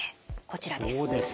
こちらです。